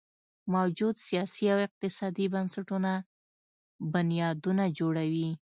موجوده سیاسي او اقتصادي بنسټونه بنیادونه جوړوي.